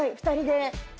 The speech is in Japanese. ２人で。